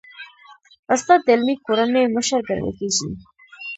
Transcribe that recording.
استاد د علمي کورنۍ مشر ګڼل کېږي.